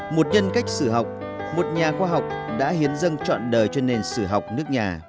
một nhân cách sử học một nhà khoa học đã hiến dâng trọn đời cho nền sự